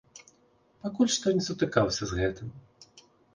Пакуль што не сутыкаўся з гэтым.